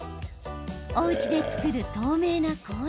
おうちで作る透明な氷。